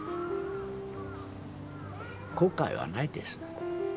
後悔はないです。